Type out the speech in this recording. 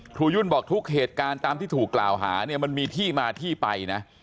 ยุ่นบอกทุกเหตุการณ์ตามที่ถูกกล่าวหาเนี่ยมันมีที่มาที่ไปนะ